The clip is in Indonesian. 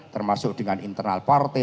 termasuk dengan internal partai